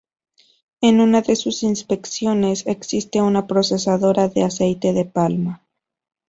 En una de sus Inspecciones existe una procesadora de aceite de palma.